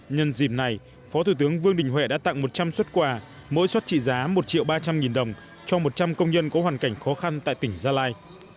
nhân dịp này phó thủ tướng vương đình huệ đã tặng một trăm linh xuất quà mỗi xuất trị giá một triệu ba trăm linh đồng cho một trăm linh công nhân có hoàn cảnh khó khăn tại tỉnh gia lai